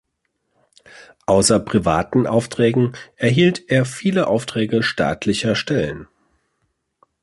Außer privaten Aufträgen erhielt er viele Aufträge staatlicher Stellen.